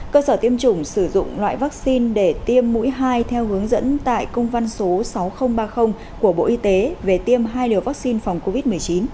cơ sở tiêm chủng sử dụng loại vaccine để tiêm mũi hai theo hướng dẫn tại công văn số sáu nghìn ba mươi của bộ y tế về tiêm hai liều vaccine phòng covid một mươi chín